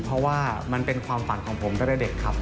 เพราะว่ามันเป็นความฝันของผมตั้งแต่เด็กครับ